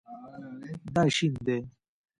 دا شین دی